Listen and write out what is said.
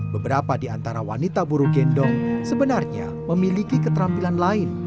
beberapa di antara wanita buru gendong sebenarnya memiliki keterampilan lain